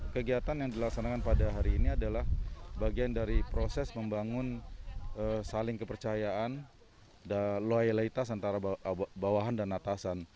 kegiatan yang dilaksanakan pada hari ini adalah bagian dari proses membangun saling kepercayaan dan loyalitas antara bawahan dan atasan